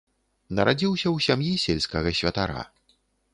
Нарадзіўся ў сям'і сельскага святара.